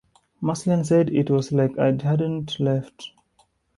Maslen said It was like I hadn't left.